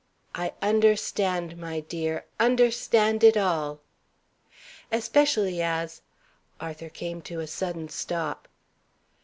"I understand, my dear understand it all!" "Especially as " Arthur came to a sudden stop.